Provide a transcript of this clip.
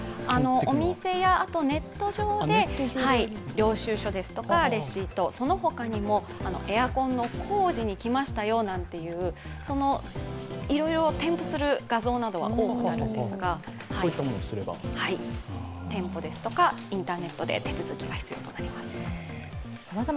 お店やネット上で領収書ですとかレシート、その他にもエアコンの工事に来ましたよといういろいろ添付する画像などが多くあるんですが、店舗ですとかインターネットで手続きが必要となります。